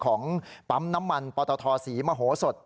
ของปั๊มน้ำมันปตทศรีมโหสด